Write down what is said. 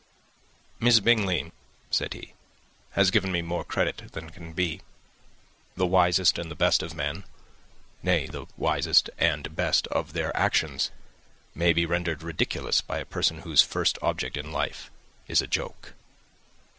"Miss Bingley," said he, "has given me credit for more than can be. The wisest and best of men, nay, the wisest and best of their actions, may be rendered ridiculous by a person whose first object in life is a joke."